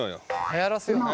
「はやらせよう」な。